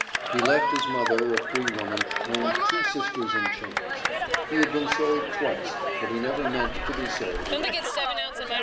He left his mother, a free woman, and two sisters in chains. He had been sold twice, but he never meant to be sold again.